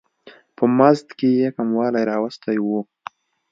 په مزد کې یې کموالی راوستی و.